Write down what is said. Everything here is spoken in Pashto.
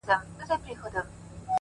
تا چي نن په مينه راته وكتل!